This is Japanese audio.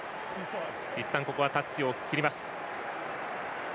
いったんここはタッチを切ります。